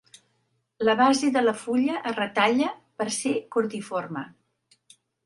La base de la fulla es retalla per ser cordiforme.